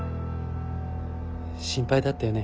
心配だったよね。